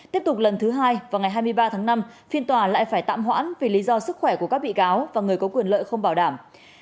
tiếp tục lần thứ hai vào ngày hai mươi ba tháng năm phiên tòa lại phải tạm hoãn vì lý do sức khỏe của các bị cáo và người có quyền lợi không bảo đảm